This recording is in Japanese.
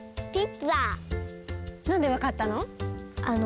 なんでわかったの？